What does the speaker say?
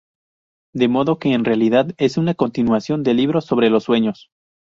De modo que en realidad es una continuación del libro sobre los sueños".